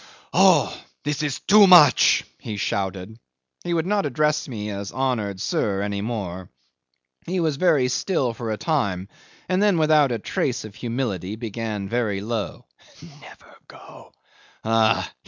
"Oh! this is too much," he shouted. He would not address me as "honoured sir" any more. He was very still for a time, and then without a trace of humility began very low: "Never go ah!